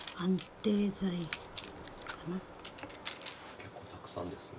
結構たくさんですね。